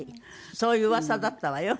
そういう噂だったわよ。